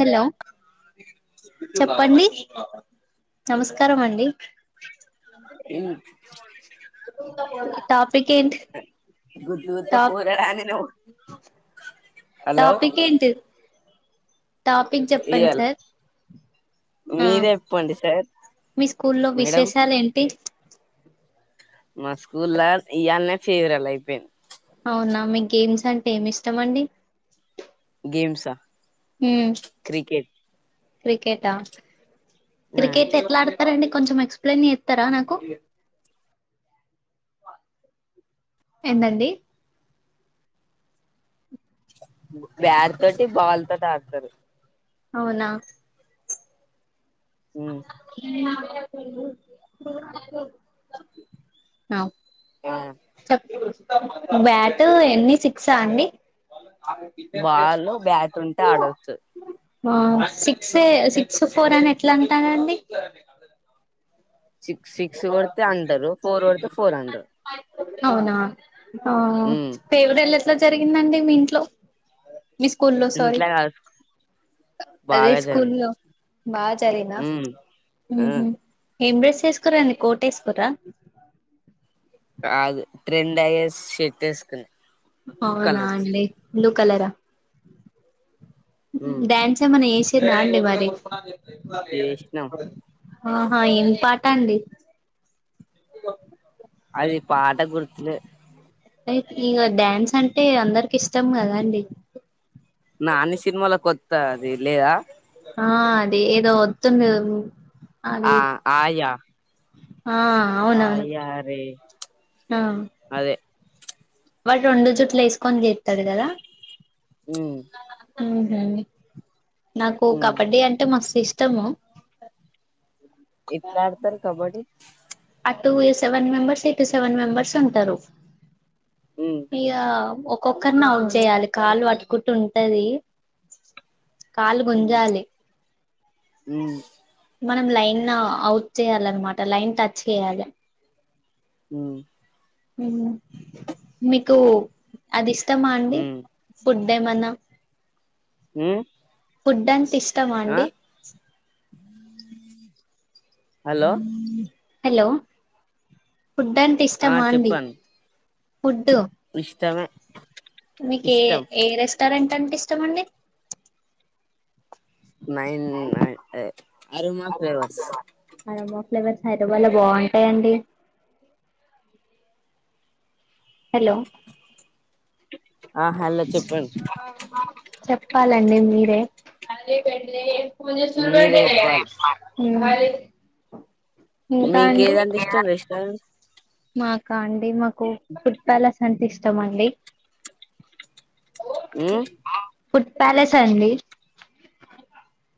Hello చెప్పండి నమస్కారం అండి టాపిక్ ఏంటి గుద్దుతో పోరాడాని నువ్వు హలో టాపిక్ ఏంటి టాపిక్ చెప్పండి ఇయ్యాల సార్ ఆ మీరే చెప్పండి సార్ మీ స్కూల్లో మేడం విశేషాలు ఏంటి మా స్కూల్లా ఇయ్యల్నే ఫేవరల్ ఐపోయింద్ అవునా మీక్ గేమ్స్ అంటే ఏమి ఇష్టమండి గేమ్సా హ్మ్ క్రికెట్ ఆ క్రికెట్ ఎట్లా ఆడ్తారండి కొంచెం ఎక్సప్లయిన్ చేస్తారా నాకు ఎందండి బ్యాట్ తోటి బాల్ తోటి ఆడతారు అవునా హ్మ్ [unintelligible] ఆ, చెప్ బ్యాట్ ఎన్ని సిక్సా అండి బాల్ బ్యాట్ ఉంటే అడొచ్చు ఆ సిక్స్ సిక్స్ ఫోర్ అని ఎట్లా అంటారండి సిక్స్ సిక్స్ కొడితే హండరు ఫోర్ కొడితే ఫోర్ హండరు అవునా ఆ ఇ ఎవిడ అట్లా జరిగిందండి మీ ఇంట్లో మీ స్కూ లో సారీ ఇంట్లో కాదు అదే బాగా స్కూ చదివి లో బాగా చలేనా ఉమ్, ఆ, ఏ కురాండి కోటేశ్వరా కాదు ట్రెండ్ అయ్యే షట్ వేసుకుని అవునా అండి బ్లూ కలరా డ్యాన్స్ మన ఏష రండి వరి ప్పుే చేసినాం మడ ఆహా ఏం పాట అండి అది పా ఆట గుర్తులేదు ఇక డ్యాన్స్ అంటే అందరికి ఇష్టం కదా అండి నాని సినిమాలో కొత్త అది లేదా ఆ అది ఏదో వత్తుంది కదా ఆ ఆయ్యా ఆ అవునవును రే ఆ అదే వాడు రెండు జట్లు వెస్కొని చేతాడు కదా ఉమ్ అవునండి నాకు ఉమ్ కబడ్డీ అంటే మస్తు ఇష్టం ఉత్తమో ఎట్లా ఆడతారు kabaddi two way seven members ఇటు సెవెన్ మెంబర్స్ ఉంటారు ఉమ్ ఇగా ఒక్ ఒకర్ని అవుట్ చేయాలి కాలు పట్టుకుంటె ఉంటది కాలు ఉమ్ గుంజాలి ఉమ్ మనం లైన్ అవుట్ చేయాలన్నమాట లైన్ టచ్ చేయాలి హుమ్ మీకు అది మా అండి ఉమ్ ఫుడ్ అదే మన్న అ ఉడ్డంపి ఇష్టమా అండి హలో హలో ఫుడ్ అంత ఇష్టమాండి ఫడ్డు ఇష్టమ మీ ఏ ఏ రెస్టోరెంట్ టె ఇష్టమండి నైన్ అరు మా ఫేర్వాస్ అరోమా ఫ్లేవర్స్ హైదరాబాద్ లో బాగుంటాయండి హలో ఆ హలో చెప్పండి చెప్పాల అండి మీర ము చూల్బర్డ మీరే చెప్పాలి అరి మీకేదంటే ఇష్టం రెస్టారెంట్ మాకాండి మక్ ఫుడ్ ప్యాలస్ అంటిష్టమాండి మ్ ప్యాలెస్ అండీ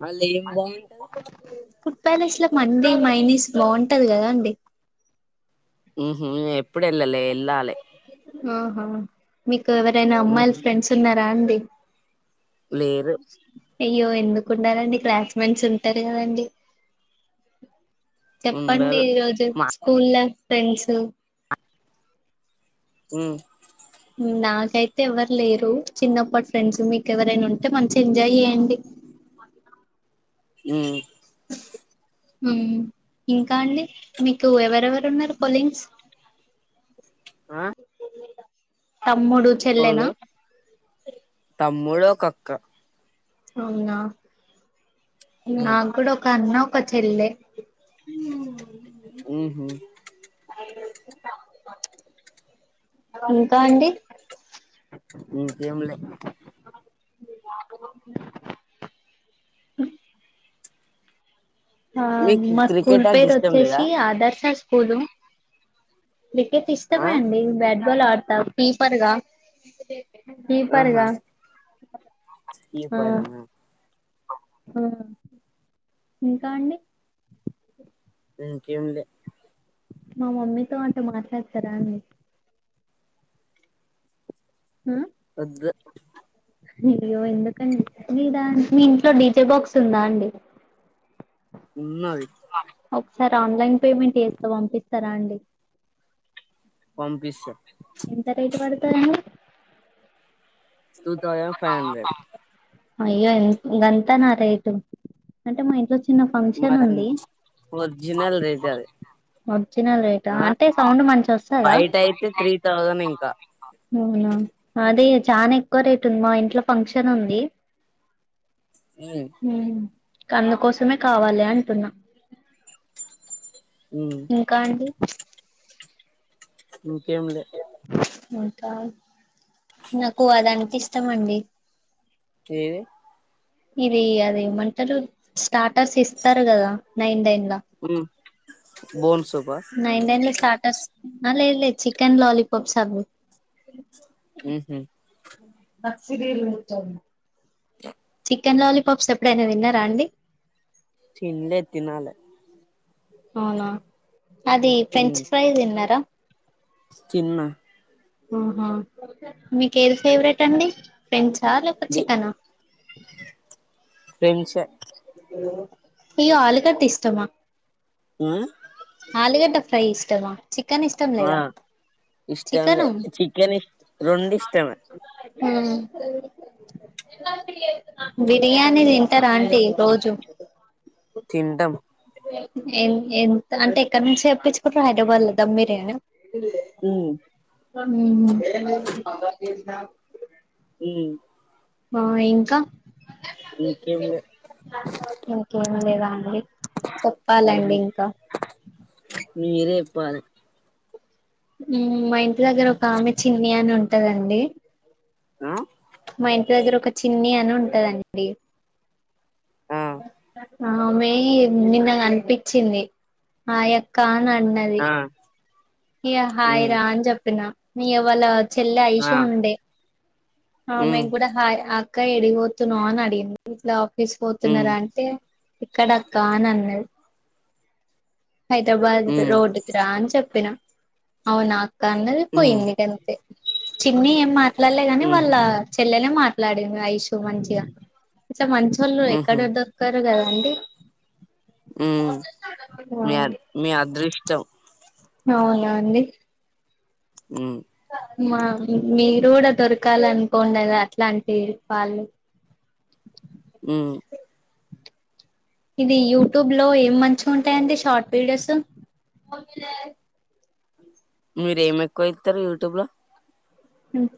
అల్లేం బావుంటది ఫుడ్ ప్యాలెస్ లో మండీ మైనిస్ బావుంటది కదండి హుహూ ఎప్పుడెళ్లలే ఎల్లాలే ఆహా మి కెవరైనా అమ్మాయిలు ఉమ్ ఫ్రెండ్స్ ఉన్నారా డి లేరు అయ్యో ఎందుకుండరండి క్లాస్మెంట్సుంటరు కదండి ఉండరు చెప్పండీరోజు మా స్కూళ్ల ఫ్రెండ్సు ఉమ్ నాకైతే ఏవ్వరు లేరు చిన్నప్పటి ఫ్రెండ్స్ మీకెవరైనా ఉంటే మంచి ఎంజాయ్ చేయండి ఉమ్ హుమ్ ఇంకా అండి మీకు ఎవరెవరున్నారు కొలీన్స్ ఆ తమ్ముడు చెల్లెనా మూడు ఒకక్కా ఔనా ఉమ్ నాగ్గూడ ఒక్ కన్న ఒక చెల్లె ఊహూ ఇంకా అండి ఇంకేం లే ఆ మీకు మా స్కూల్ క్రికెట్ అంటే ఇష్టం లేదా పేరొచ్చేశి ఆదర్శ పూలు క్రికెట్ ఆ ఇష్టమే అండి బ్యాడ్ ఫుట్బల్ ఆడతా కీపర్గా కీపర్గా ఈ పరనా హ్మ్ ఇంకా అండి ఎంకేమ్లా మా మమ్మీతో అంట మాట్లాడతారా అండి హ్మ్ వొద్దు అయ్యో ఎందుకండి మీ దా మీ ఇంట్లో డీజే బాక్స్ ఉందా అండి ఉన్నాది ఒకసారి ఆన్లైన్ పేమెంట్ చేస్తా పంపిస్తారా అండి. పంపిస్తా ఎంత రేట్ పడతదండి టూ థౌజండ్ ఫైవ్ హండ్రెడ్ అయ్యో ఇ గంతనా రేటు అంటే మా ఇంట్లో చిన్న ఫంక్షన్ మరన్ ఉంది వర్జినల్ రేట్ అది ఒ చినల్ రేటా ఆ అంటే సౌండ్ మంచి వస్తదా బయట అయితే త్రీ థౌజండ్ ఇంకా అవునా అది చానీక్ ఎక్కువ రేట్ ఉంది మా ఇంట్లో ఫంక్షన్ ఉంది ఉమ్ హ్మ్ కందుకోసమే కావాలి అంటున్నా ఉమ్ ఇంకా అండి ముకేము లే మకా నాకు అద అం ఇస్తామండి ఏది ఇది అది ఏమంటారు స్టార్టర్స్ ఇస్తారు కదా నైన్ డెన్ [inaudible] బోన్ సూపా నైన్ డెన్ లో స్టార్టర్స్ అ లే లే చికెన్ లాలీపాప్స్ అడుగు ఉహు నర్సరీలు చికెన్ లాలీపాప్స్ ఎప్పుడైనా తిన్నారా అండి తినలే తినాలా అవునా అది ఫ్రెంచ్ ఉమ్ ప్రైస్ తినరా తిన్న ఆహ మీకు ఏది ఫేవరెట్ అండి ఫ్రెంచ్ టా లేకపోతే చికెన్ ఆ ఫ్రెంచ్ ఏ హలో అయ్యో ఆలుగడ్డ ఇష్టమా ఆ ఆలుగడ్డ ఫ్రై ఇష్టమా చికెన్ ఇష్టం ఆ లేదా ఇష్టం లే చికెను చికెన్ ఇష్ట రెండు ఇష్టమే ఉమ్ బిర్యానీ తింటారా అండి రోజు తింటాం ఎం ఎంత అంటే ఎక్కడ నుంచి తెప్పించుకుంటున్నారు హైదరాబాద్ లో దమ్ బిరియానియా ఉమ్ ఉమ్ పవర్ కేశిన ఉ ఆ ఇంకా ఇంకేం లే ఇంకేం లేదా అండి చెప్పాలండి ఉమ్ ఇంకా పాలే మ్ మా ఇంటి దగ్గర ఒక ఆమె చిన్ని అని ఉంటాదండి ఆ మా ఇంటి దగ్గర ఒక చిన్ని అన్నీ ఉంటదండి ఆ వస్తా ఆమె నిన్న కనిపించింది ఆ అక్క అని అన్నది ఆ ఇగ హాయ్ ఉమ్ రా అని చెప్పిన నీ అవాలదు చెల్లె ఆ ఐశంతో ఉండే ఆమె ఉమ్ కూడా హాయ్ హా అక్క ఏడీకిపోతున్నావ్ అని అడిగి న ఇగ ఉమ్ తీసుకపోతున్నారా అంటే ఇక్కడ అక్క అని అన్నది హైద్రాబాద్ ఉమ్ రోడ్డుకి రా అని చెప్పిన అవునా అన్నది ఉమ్ పోయింది గంతే చిన్ని ఎం మాట్లాలే గాని ఉమ్ వాళ్ళ చెల్లనే మట్లా లాడిన్ ఐషు మంచిగా ఇట్లా మంచోళ్ళు ఎక్కడ ఉహు దొరకరు కదా అండి ఉమ్ మీ మీ అ అదృష్టం అవునా అండి హ్మ్ మా మీరు గూడా దొరకాల అనుకోండదా అట్లాంటి పాళ్ళు హ్మ్ ఇది యూట్యూబ్ లో ఏం మంచి ఉంటాయండి షార్ట్ వీడియోసు మీరు ఏం ఎక్కువ ఎక్కువ ఇత్తరు యూట్యూబ్ లో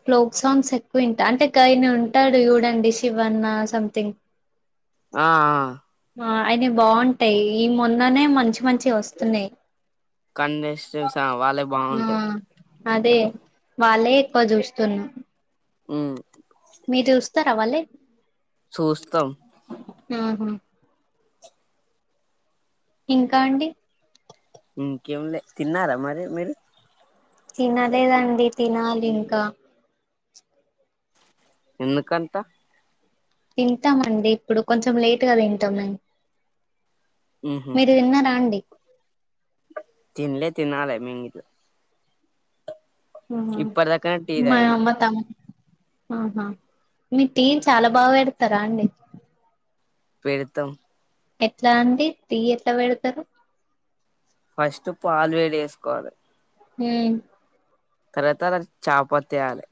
ప్లోక్ సాంగ్స్ ఎక్కువ ఇంట అంటే కాయని ఉంటాడు చూడండి శివన్నా సంథింగ్ ఆ ఆ ఆ అయిన్ బాంటాయి ఈ మొన్ ననే మంచి మంచి వస్తున్నాయ్ కండెస్ చుసా వాళ్ళే బావుంటాయి అదే వాళ్ళే ఎక్కువ చూస్తున్న హ్మ్ మీ దూస్తార వాళ్ళయ్ చూస్తం ఇంకా అండి ఇంకేం లే తిన్నారా మరి మీరు తినలేదండి తినాలింకా ఎందుకంత తింటామండి ఇప్పుడు కొంచెం లేటుగా తింటామన్ ఉహు మీరు తిన్నారా అండి తినలే తినాలి మేం గిట్ల ఊహా ఇప్పటిదాకానే టీ మా‌ తాగిన యమ్మ తం ఆహా మీరు టీ చాలా బాగా పెడతారా అండి పెడతం ఎట్లా అండి టీ ఎట్లా పెడతారు ఫస్ట్ పాలు వేడి వేసుకోవాలి ఊ తరవాత [inaudible] చాపత్ ఎయ్యాలె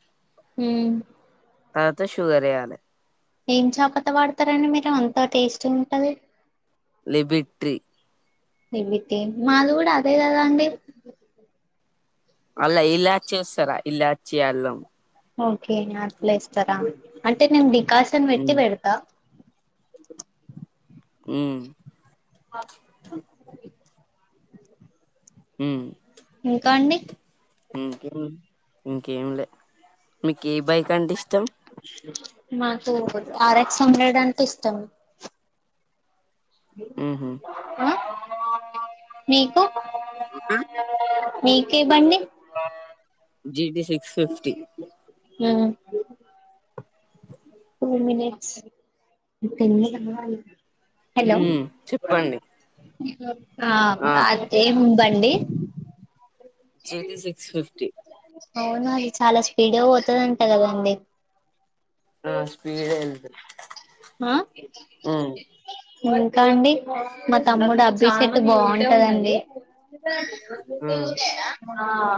ఊ తర్వాత షుగరెయ్యాలె ఏం చాపత వాడతారండి మీకేమో అంత టేస్ట్ ఉంటది లిబిట్రి ఏవిటి మాలు కూడా అదేదద అండి అల్ ఇల్లాచ్చి వస్తస్తారా ఇల్లాచ్చి అలం ఓకే నా ప్లస్స్తారా అంటే నిమ్ డి కాశన్ వెట్టి ఉమ్ పెడతా ఉ ఆ [unintelligible] ఉ ఇంకా అండి ఇంకేం ఇంకేం లే మీక్ ఏ బైక్ అంటే ఇష్టం మాతో ఆర్ ఎక్స్ హండ్రెడ్ అంటే ఇష్టం ఉహు ఆ మీకు మీకే బండి GT six fifty um two minutes [unintelligible] ఉ చెప్పండి స్పీడ్ గా ఆ అది ఏం బండి జిటి సిక్స్ ఫిఫ్టీ అవునా అది చాలా స్పీడుగా పోతుందింటా కదండి ఆ స్పీడ్ గా ఎల్తది ఆ ఇంకా అండి మా తమ్ముడు అబ్బిసెట్టు బాగుంటదండి ఉమ్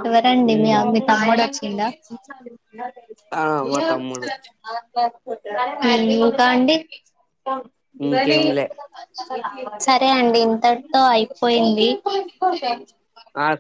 ఎవరండి మీ ఉమ్ మీ తమ్ముడు వచ్చిండా ఆ మా తమ్ముడు కాండి ఇంకేంలే సరే అండి ఇంతటితో అయిపోయింది ఆ